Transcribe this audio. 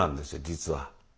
実は。